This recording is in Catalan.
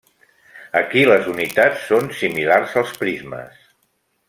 Aquí les unitats són similars als prismes.